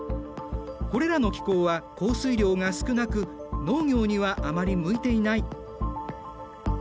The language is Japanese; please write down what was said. これらの気候は降水量が少なく農業にはあまり向いていない。